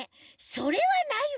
それはないわ。